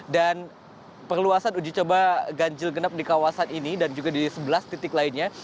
dan perluasan uji coba ganjil genap di kawasan ini dan juga di sebelas titik lainnya